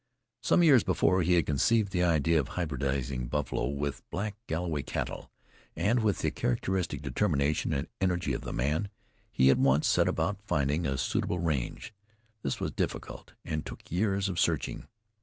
Some years before he had conceived the idea of hybridizing buffalo with black Galloway cattle; and with the characteristic determination and energy of the man, he at once set about finding a suitable range. This was difficult, and took years of searching.